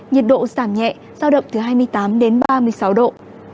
nhiệt độ giảm nhẹ giao động từ hai mươi tám đến ba mươi sáu độ